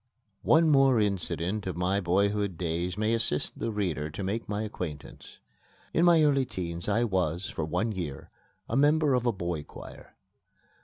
One more incident of my boyhood days may assist the reader to make my acquaintance. In my early teens I was, for one year, a member of a boy choir.